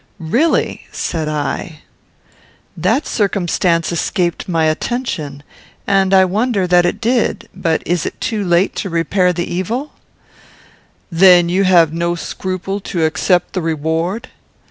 "Really," said I, "that circumstance escaped my attention, and I wonder that it did; but is it too late to repair the evil?" "Then you have no scruple to accept the reward?"